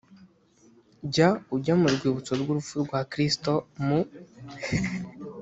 jya ujya mu rwibutso rw urupfu rwa kristo mu